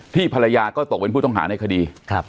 ภรรยาก็ตกเป็นผู้ต้องหาในคดี